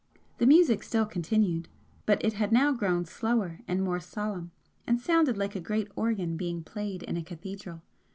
The music still continued, but it had now grown slower and more solemn, and founded like a great organ being played in a cathedral.